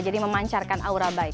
jadi memancarkan aura baik